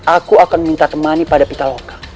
aku akan minta temani pada pitaloka